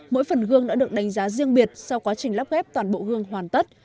mỗi phần gương đã được đánh giá riêng biệt sau quá trình lắp ghép toàn bộ hương hoàn tất